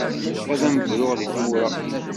Ad am-bruɣ di tmura.